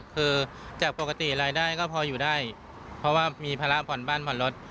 คือจากปกติรายได้ก็พออยู่ได้เพราะว่ามีภาระผ่อนบ้านผ่อนรถ